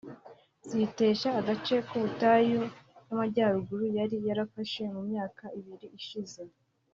ziyitesha agace k’ubutayu bw’amajyaruguru yari yarafashe mu myaka ibiri ishize